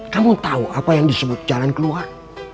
kamu tahu apa yang disebut jalan keluar